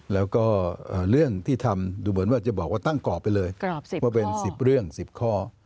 แล้วก็เรื่องที่ทำดูเหมือนว่าจะบอกว่าตั้งกรอบไปเลยว่าเป็น๑๐เรื่อง๑๐ข้อ